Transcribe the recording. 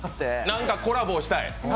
何かコラボしたいと。